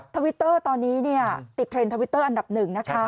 ทวิตเตอร์ตอนนี้ติดเทรนด์ทวิตเตอร์อันดับหนึ่งนะคะ